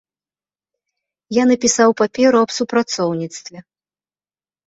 Я напісаў паперу аб супрацоўніцтве.